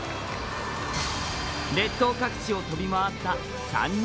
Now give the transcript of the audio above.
列島各地を飛び回った３人。